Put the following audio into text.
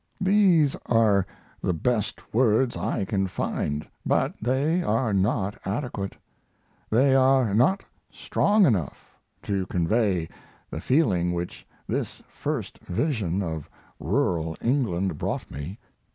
These are the best words I can find, but they are not adequate; they are not strong enough to convey the feeling which this first vision of rural England brought me."